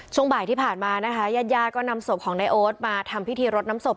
ช่วงบ่ายที่ผ่านมานะคะญาติญาติก็นำศพของนายโอ๊ตมาทำพิธีรดน้ำศพ